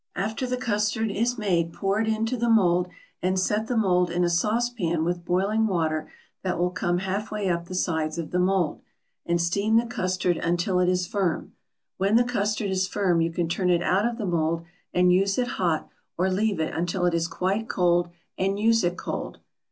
After the custard is made pour it into the mould and set the mould in a sauce pan with boiling water that will come half way up the sides of the mould, and steam the custard until it is firm. When the custard is firm you can turn it out of the mold and use it hot or leave it until it is quite cold and use it cold.